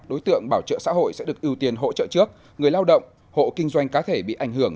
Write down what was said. đối tượng bảo trợ xã hội sẽ được ưu tiên hỗ trợ trước người lao động hộ kinh doanh cá thể bị ảnh hưởng